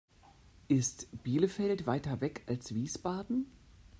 Ist Bielefeld weiter weg als Wiesbaden?